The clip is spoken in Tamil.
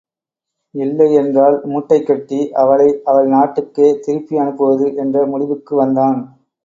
இல்லை என்றால் மூட்டை கட்டி அவளை அவள் நாட்டுக்கே திருப்பி அனுப்புவது என்ற முடிவுக்கு வந்தான்.